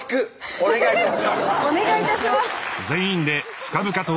お願い致します